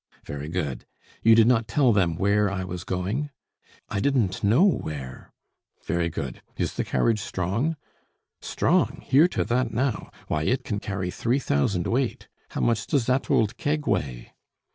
"Very good. You did not tell them where I was going?" "I didn't know where." "Very good. Is the carriage strong?" "Strong? hear to that, now! Why, it can carry three thousand weight. How much does that old keg weigh?"